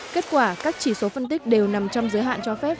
kết quả các chỉ số phân tích đều nằm trong giới hạn cho phép